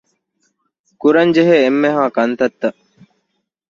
ކުރަންޖެހޭ އެންމެހައި ކަންތައްތައް